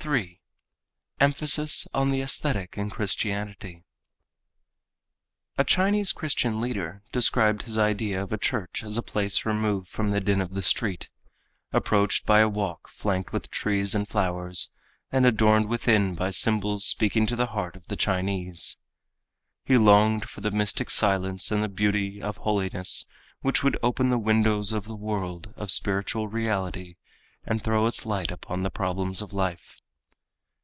3. Emphasis on the Aesthetic in Christianity A Chinese Christian leader described his idea of a church as a place removed from the din of the street, approached by a walk flanked with trees and flowers and adorned within by symbols speaking to the heart of the Chinese. He longed for the mystic silence and the beauty of holiness which would open the windows of the world of spiritual reality and throw its light upon the problems of life.